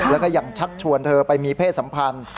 แล้วก็ยังชักชวนเธอไปมีเพศสัมพันธ์